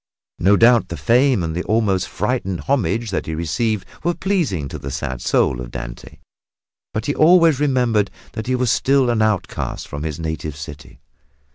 No doubt the fame and the almost frightened homage that he received were pleasing to the sad soul of Dante, but he always remembered that he was still an outcast from his native city.